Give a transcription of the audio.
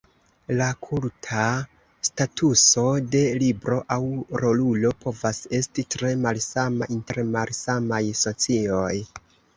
La kulta statuso de libro aŭ rolulo povas esti tre malsama inter malsamaj socioj.